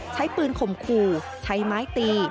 ใช้ปืนข่มขู่ใช้ไม้ตี